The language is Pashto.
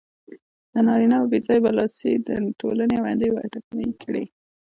د نارینهوو بې ځایه برلاسي د ټولنې وده ټکنۍ کړې.